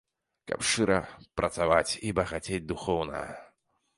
Каб шчыра працаваць і багацець духоўна.